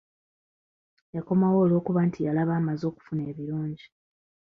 Yakomawo olw'okuba nti yalaba amaze okufuna ebirungi.